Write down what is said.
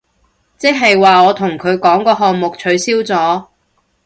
即係話我同佢哋講個項目取消咗